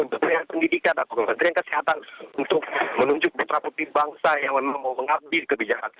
kebudayaan pendidikan atau kebudayaan kesehatan untuk menunjukkan teraputi bangsa yang mau mengabdi kebijakan